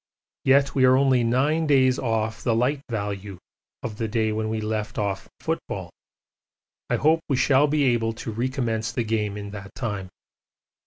Yet we are only nine days off the 'light value' of the day when we left off football I hope we shall be able to recommence the game in that time.